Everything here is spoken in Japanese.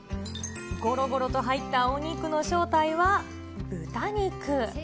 ごろごろと入ったお肉の正体は豚肉。